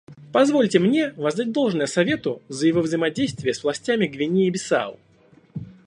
Позвольте мне воздать должное Совету за его взаимодействие с властями Гвинеи-Бисау.